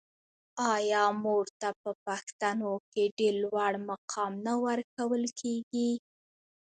آیا مور ته په پښتنو کې ډیر لوړ مقام نه ورکول کیږي؟